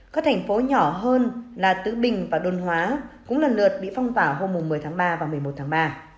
các thành phố nhỏ hơn là tứ bình và đôn hóa cũng lần lượt bị phong tỏa hôm một mươi tháng ba và một mươi một tháng ba